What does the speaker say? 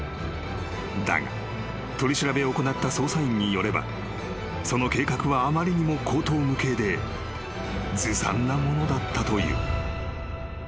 ［だが取り調べを行った捜査員によればその計画はあまりにも荒唐無稽でずさんなものだったという］